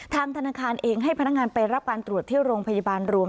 ทางธนาคารเองให้พนักงานไปรับการตรวจที่โรงพยาบาลรวม